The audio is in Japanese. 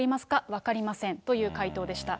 分かりませんという回答でした。